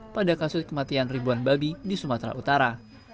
pada kasus kematian ribuan babi di sumatera utara